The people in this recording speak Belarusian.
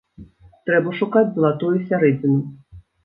Трэба шукаць залатую сярэдзіну.